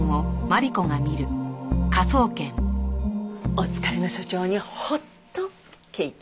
お疲れの所長にホットケーキ。